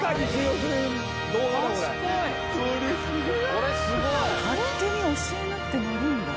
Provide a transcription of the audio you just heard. これすごい！勝手に教えなくて乗るんだ。